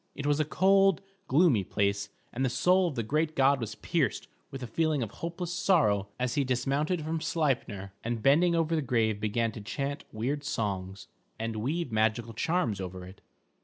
It was a cold, gloomy place, and the soul of the great god was pierced with a feeling of hopeless sorrow as he dismounted from Sleipner, and bending over the grave began to chant weird songs, and weave magical charms over it.